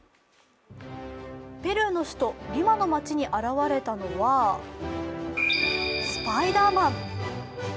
ペルーの首都リマの街に現れたのは、スパイダーマン。